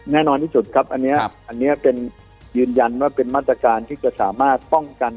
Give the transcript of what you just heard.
แน่นอนที่สุดครับอันนี้เป็นยืนยันว่าเป็นมาตรการที่จะสามารถป้องกัน